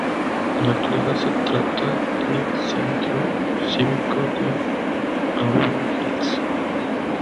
En la actualidad se trata del Centro Cívico de Auburn Hills.